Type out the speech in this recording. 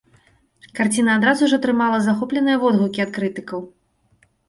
Карціна адразу ж атрымала захопленыя водгукі ад крытыкаў.